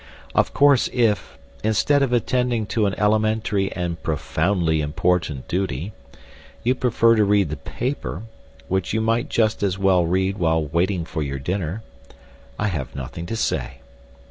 Of course if, instead of attending to an elementary and profoundly important duty, you prefer to read the paper (which you might just as well read while waiting for your dinner) I have nothing to say.